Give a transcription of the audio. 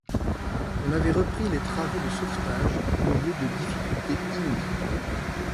On avait repris les travaux de sauvetage, au milieu de difficultés inouïes.